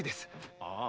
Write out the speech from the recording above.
ああ。